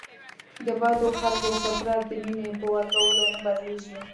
د بدو خلکو فطرت د مینې په ورکولو نه بدلیږي.